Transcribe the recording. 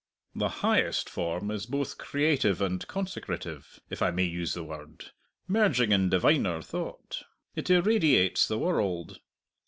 The highest form is both creative and consecrative, if I may use the word, merging in diviner thought. It irradiates the world.